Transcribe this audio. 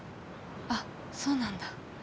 あっそうなんだ。